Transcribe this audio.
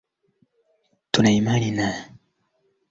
sekunde milioni ishirini na saba